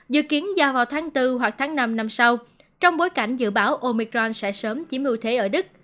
dự kiến ra vào tháng bốn hoặc tháng năm năm sau trong bối cảnh dự báo omicron sẽ sớm chiếm ưu thế ở đức